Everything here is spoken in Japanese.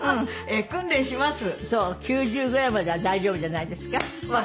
９０ぐらいまでは大丈夫じゃないですか？